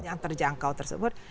yang terjangkau tersebut